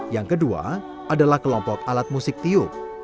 yang kedua adalah kelompok alat musik tiup